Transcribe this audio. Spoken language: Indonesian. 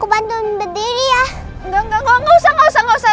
bapak tunggu pak